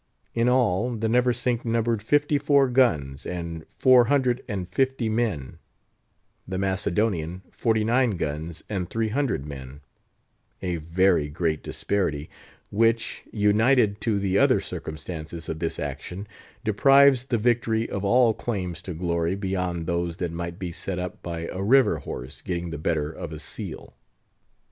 In all, the Neversink numbered fifty four guns and four hundred and fifty men; the Macedonian, forty nine guns and three hundred men; a very great disparity, which, united to the other circumstances of this action, deprives the victory of all claims to glory beyond those that might be set up by a river horse getting the better of a seal.